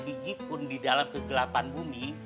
biji pun di dalam kegelapan bumi